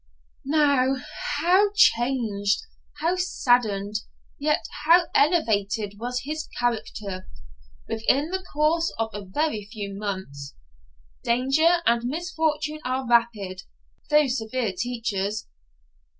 Now, how changed! how saddened, yet how elevated was his character, within the course of a very few months! Danger and misfortune are rapid, though severe teachers.